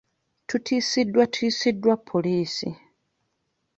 Tutiisiddwatiisiddwa poliisi.